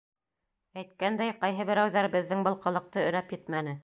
Әйткәндәй, ҡайһы берәүҙәр беҙҙең был ҡылыҡты өнәп етмәне.